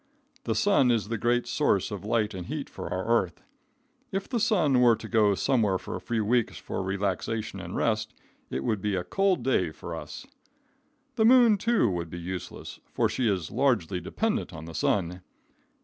The sun is the great source of light and heat for our earth. If the sun were to go somewhere for a few weeks for relaxation and rest, it would be a cold day for us. The moon, too, would be useless, for she is largely dependent on the sun.